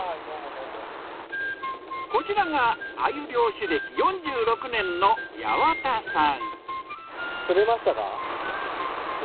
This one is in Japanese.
こちらが鮎漁師歴４６年の矢幡さん。